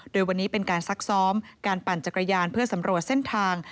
โดยวันนี้เป็นการซักซ้อมการปั่นจักรยานเพื่อสำรวจเส้นทาง